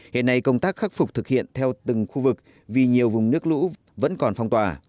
hiện nay công tác khắc phục thực hiện theo từng khu vực vì nhiều vùng nước lũ vẫn còn phong tỏa